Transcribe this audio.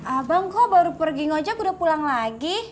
abang kok baru pergi ngojek udah pulang lagi